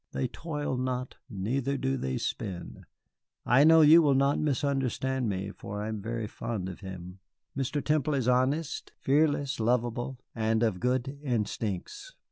They toil not, neither do they spin. I know you will not misunderstand me, for I am very fond of him. Mr. Temple is honest, fearless, lovable, and of good instincts.